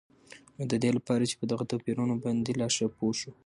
نو ددي لپاره چې په دغه توپيرونو باندي لا ښه پوه شو